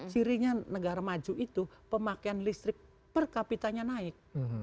sirinya negara maju itu pemakaian listrik per kapitanya naik